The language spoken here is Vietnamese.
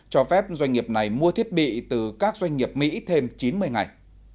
cho phép doanh nghiệp này mua thiết bị từ các doanh nghiệp mỹ thêm chín mươi ngày